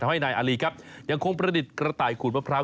ให้นายอารีครับยังคงประดิษฐ์กระต่ายขูดมะพร้าว